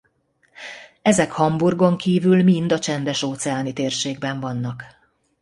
Ezek Hamburgon kívül mind a csendes-óceáni térségben vannak.